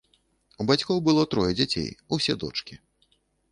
У бацькоў было трое дзяцей, усе дочкі.